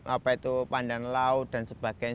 apa itu pandan laut dan sebagainya